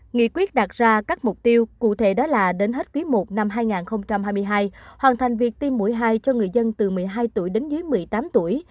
nghị quyết đặt ra các mục tiêu cụ thể đó là đến hết quý i năm hai nghìn hai mươi hai hoàn thành việc tiêm mũi hai cho người dân từ một mươi hai tuổi đến dưới một mươi tám tuổi